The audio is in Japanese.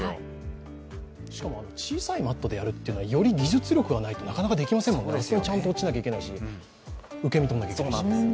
しかも小さいマットでやるというのはより技術力がないとなかなかできませんものね、ちゃんと落ちなきゃいけないし、受け身取らなきゃいけないし。